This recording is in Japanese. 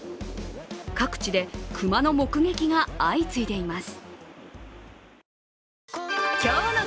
各地で熊の目撃が相次いでいます。